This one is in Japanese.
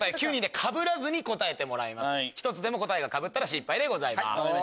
一つでも答えがかぶったら失敗でございます。